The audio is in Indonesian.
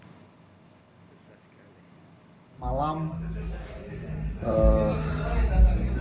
jangan lupa untuk berlangganan dan berlangganan